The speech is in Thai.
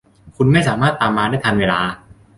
คุณไม่สามารถตามมาได้ทันเวลา